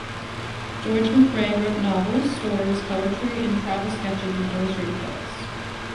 George McCrae wrote novels, stories, poetry, and travel sketches, and illustrated books.